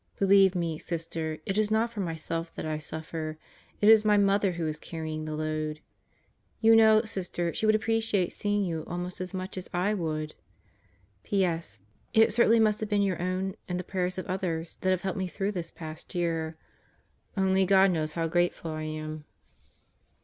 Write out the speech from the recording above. Believe me, Sister, it is not for myself that I suffer. It is my mother who is carrying the load. You know, Sister, she would appreciate seeing you almost as much as I would! ... P.S. It certainly must have been your own and the prayers of others that have helped me through this past year. Only God knows how grateful I am.